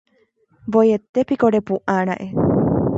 ¡Voietépiko repu'ãra'e!